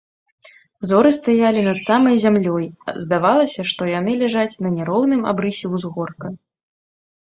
Зоры стаялі над самай зямлёй, здавалася, што яны ляжаць на няроўным абрысе ўзгорка.